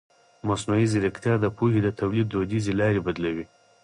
مصنوعي ځیرکتیا د پوهې د تولید دودیزې لارې بدلوي.